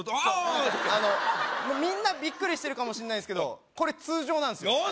あのみんなビックリしてるかもしんないですけどこれ通常なんすよ